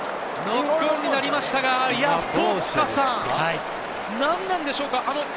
ノックオンになりましたが、何なんでしょうか？